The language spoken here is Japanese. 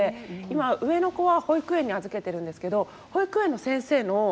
今上の子は保育園に預けてるんですけど保育園の先生の口元